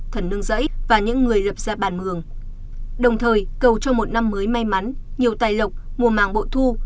thần nương rẫy và những người lập ra bản mường đồng thời cầu cho một năm mới may mắn nhiều tài lộc mùa màng bộ thu